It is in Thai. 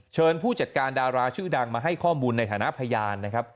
เชิญผู้จัดการดาราชื่อดังมาให้ข้อมูลในฐานะพยาน